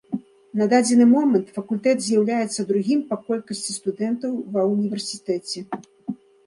На дадзены момант факультэт з'яўляецца другім па колькасці студэнтаў ва ўніверсітэце.